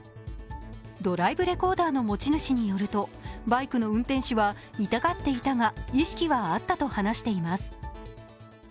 ドライブレコーダーの持ち主によると、バイクの運転手は痛がっていたが、意識はあったと話しています。